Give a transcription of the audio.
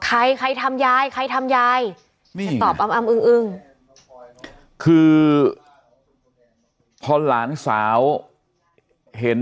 ใครใครทำยายใครทำยายตอบอัมอึ้งคือพอหลานสาวเห็น